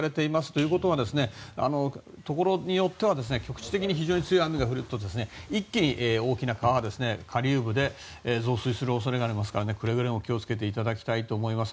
ということはところによっては局地的に非常に強い雨が降って一気に大きな川は下流部で増水する恐れがあるのでくれぐれも気を付けていただきたいです。